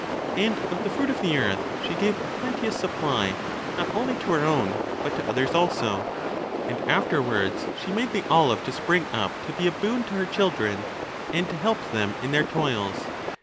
And of the fruit of the earth she gave a plenteous supply, not only to her own, but to others also ; and afterwards she made the olive to spring up to be a boon to her children, and to help them in their toils.